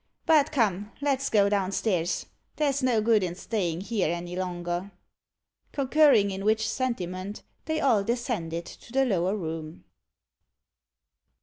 But come, let's go down stairs. There's no good in stayin' here any longer." Concurring in which sentiment, they all descended to the lower room.